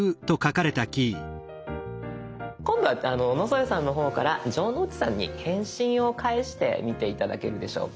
今度は野添さんの方から城之内さんに返信を返してみて頂けるでしょうか。